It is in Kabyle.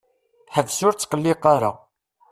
Ḥbes ur tqelliq ara.